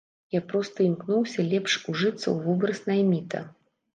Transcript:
Я проста імкнуўся лепш ужыцца ў вобраз найміта.